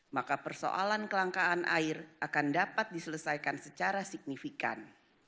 maka persoalan kelangkaan air akan dapat diselesaikan secara signifikan